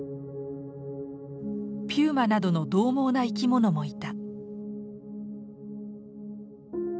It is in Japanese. ピューマなどのどう猛な生き物もいた。